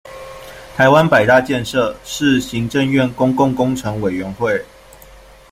台湾百大建设，是行政院公共工程委员会。